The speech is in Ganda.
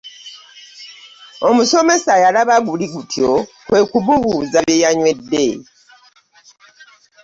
Omusomesa yalaba guli gutyo kwe kumubuuza bye yanywedde.